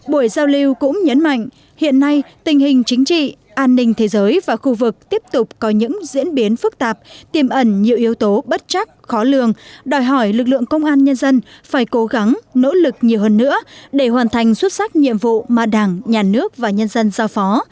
buổi giao lưu cũng nhấn mạnh hiện nay tình hình chính trị an ninh thế giới và khu vực tiếp tục có những diễn biến phức tạp tiềm ẩn nhiều yếu tố bất chắc khó lường đòi hỏi lực lượng công an nhân dân phải cố gắng nỗ lực nhiều hơn nữa để hoàn thành xuất sắc nhiệm vụ mà đảng nhà nước và nhân dân giao phó